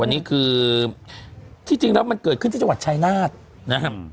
วันนี้คือที่จริงแล้วมันเกิดขึ้นที่จังหวัดชายนาฏนะครับ